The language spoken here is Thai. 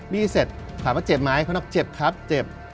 บี้เสร็จถามเจ็บไหมเค้าออกเจ็บครับเจ็บ